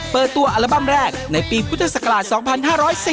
เปิดตัวอัลบั้มแรกในปีพุทธศักราช๒๕๔๔